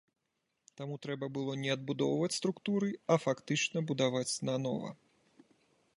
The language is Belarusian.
Таму трэба было не адбудоўваць структуры, а фактычна будаваць нанова.